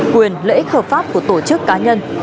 quyền lợi ích hợp pháp của tổ chức cá nhân